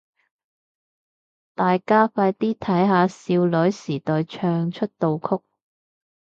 大家快啲睇下少女時代唱出道曲